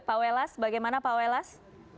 pak welas bagaimana pak welas